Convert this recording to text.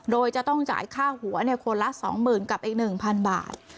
โดยจะต้องจ่ายค่าหัวคนละ๒๐๐๐กับอีก๑๐๐บาท